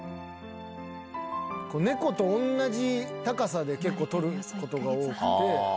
猫と同じ高さで撮ることが多くて。